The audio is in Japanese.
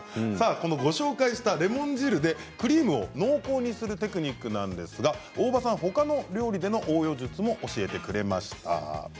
ご紹介したレモン汁でクリームを濃厚にするテクニックなんですが、大場さんほかの料理こちらです。